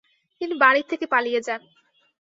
তিনি বাড়ি থেকে পালিয়ে যান।